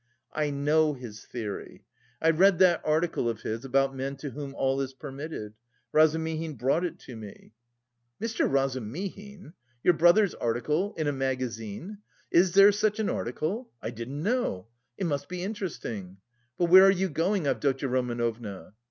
"I know his theory. I read that article of his about men to whom all is permitted. Razumihin brought it to me." "Mr. Razumihin? Your brother's article? In a magazine? Is there such an article? I didn't know. It must be interesting. But where are you going, Avdotya Romanovna?"